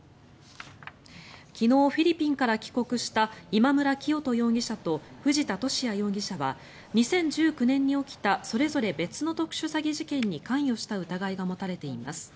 昨日、フィリピンから帰国した今村磨人容疑者と藤田聖也容疑者は２０１９年に起きたそれぞれ別の特殊詐欺事件に関与した疑いが持たれています。